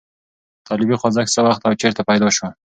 طالبي خوځښت څه وخت او چېرته پیدا شو؟